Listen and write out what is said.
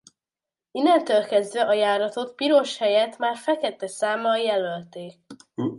Innentől kezdve a járatot piros helyett már fekete számmal jelölték.